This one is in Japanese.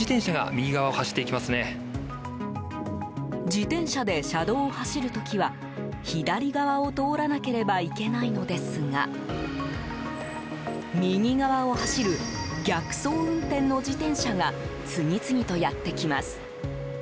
自転車で車道を走る時は左側を通らなければいけないのですが右側を走る逆走運転の自転車が次々とやってきます。